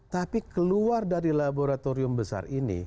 tapi keluar dari laboratorium besar ini